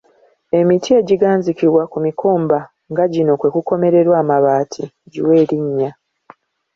Emiti egiganzikibwa ku mikomba nga gino kwe kukomererwa amabaati giwe erinnya.